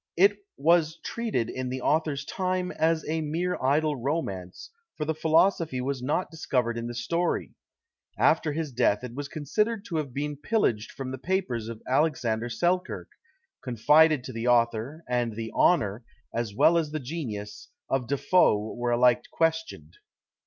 It was treated in the author's time as a mere idle romance, for the philosophy was not discovered in the story; after his death it was considered to have been pillaged from the papers of Alexander Selkirk, confided to the author, and the honour, as well as the genius, of De Foe were alike questioned.